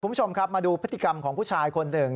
คุณผู้ชมครับมาดูพฤติกรรมของผู้ชายคนหนึ่ง